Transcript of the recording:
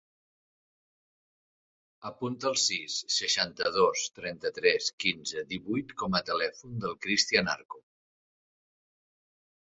Apunta el sis, seixanta-dos, trenta-tres, quinze, divuit com a telèfon del Christian Arco.